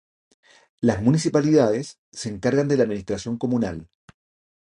Las municipalidades se encargan de la administración comunal.